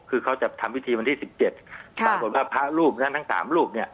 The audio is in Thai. คือเขาจะทำพิธีวันที่สิบเจ็ดค่ะบอกว่าพระรูปนั้นทั้งสามรูปเนี่ย